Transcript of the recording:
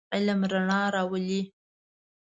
علم رڼا راولئ.